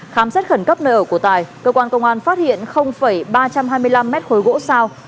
khám xét khẩn cấp nơi ở của tài cơ quan công an phát hiện ba trăm hai mươi năm mét khối gỗ sao